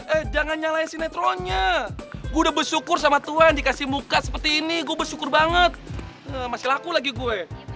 eh jangan nyalain sinetronnya gue udah bersyukur sama tuhan dikasih muka seperti ini gue bersyukur banget masih laku lagi gue